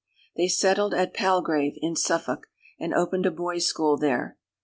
They settled at Palgrave in Suffolk, and opened a boys' school there.